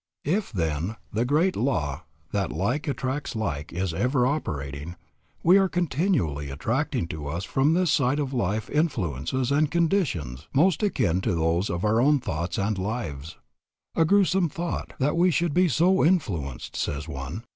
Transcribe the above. If, then, the great law that like attracts like is ever operating, we are continually attracting to us from this side of life influences and conditions most akin to those of our own thoughts and lives. A grewsome thought that we should be so influenced, says one.